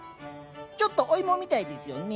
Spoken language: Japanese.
ちょっとお芋みたいですよね。